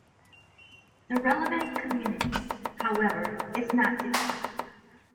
The relevant community, however, is not defined.